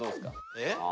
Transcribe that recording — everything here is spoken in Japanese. えっ？